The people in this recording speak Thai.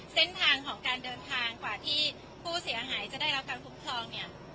เส้นทางของการเดินทางกว่าที่ผู้เสียหายจะได้รับการคุ้มครองเนี่ย